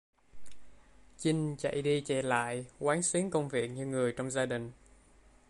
Chinh Chạy đi chạy lại quán xuyến công việc như người trong gia đình